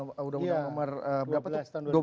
udah nomor berapa tuh